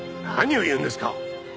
何を言うんですか！